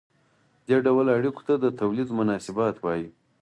دې ډول اړیکو ته د تولید مناسبات وايي.